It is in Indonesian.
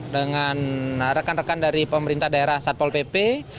dengan rekan rekan dari pemerintah daerah satpol pp